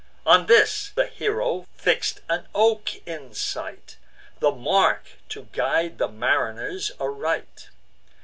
On this the hero fix'd an oak in sight, The mark to guide the mariners aright.